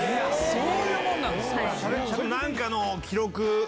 そういうもんなんすか。